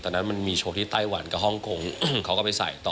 ตอนนั้นมันมีโชว์ที่ไต้หวันกับฮ่องกงเขาก็ไปใส่ต่อ